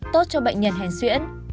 tốt cho bệnh nhân hèn xuyễn